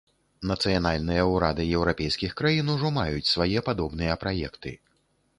Нацыянальныя ўрады еўрапейскіх краін ужо маюць свае падобныя праекты.